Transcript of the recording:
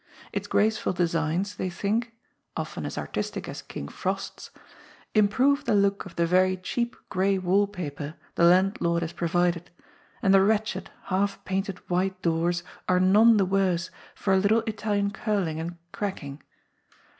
Its graceful designs, they think — often as artistic as King Frost's — ^improve the look of the very cheap gray wall paper the landlord has provided, and the wretched, half painted, white doors are none the worse for a little Italian curling and cracking.